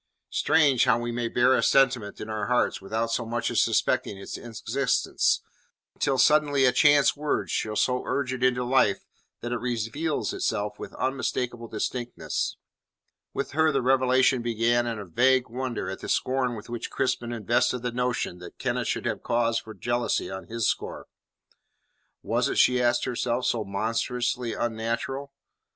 Strange how we may bear a sentiment in our hearts without so much as suspecting its existence, until suddenly a chance word shall so urge it into life that it reveals itself with unmistakable distinctness. With her the revelation began in a vague wonder at the scorn with which Crispin invested the notion that Kenneth should have cause for jealousy on his score. Was it, she asked herself, so monstrously unnatural?